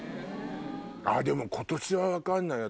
あでも今年は分かんないよ